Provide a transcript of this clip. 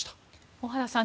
小原さん